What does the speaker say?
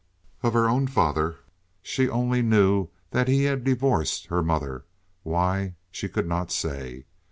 Of her own father she only knew that he had divorced her mother—why, she could not say.